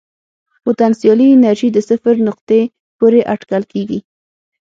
پوتنسیالي انرژي د صفر نقطې پورې اټکل کېږي.